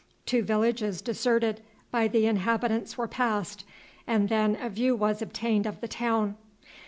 Two villages deserted by the inhabitants were passed, and then a view was obtained of the town.